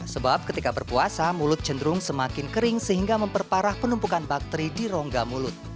sebab ketika berpuasa mulut cenderung semakin kering sehingga memperparah penumpukan bakteri di rongga mulut